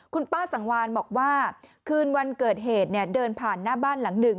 คุณป้าสังวานบอกว่าคืนวันเกิดเหตุเนี่ยเดินผ่านหน้าบ้านหลังหนึ่ง